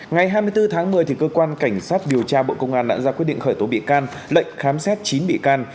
ngày hai mươi bốn tháng một mươi cơ quan cảnh sát điều tra bộ công an đã ra quyết định khởi tố bị can lệnh khám xét chín bị can